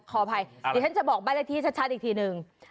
ขออภัยเดี๋ยวฉันจะบอกบ้านเลขที่ชัดอีกทีนึง